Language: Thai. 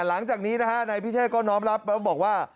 หลังจากนี้นะฮะนายพิเชษก็น้อมรับแล้วบอกว่า